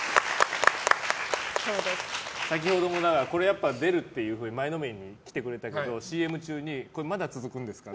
先ほども、出るって前のめりに来てくれたけどＣＭ中にこれ、まだ続くんですか？